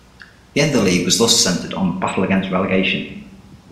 The end of the league was thus centered on the battle against relegation.